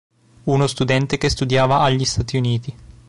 Uno studente che studiava agli Stati Uniti.